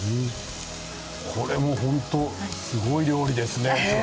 これ、すごい料理ですね。